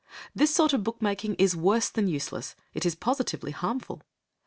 This sort of book making is worse than useless, it is positively harmful.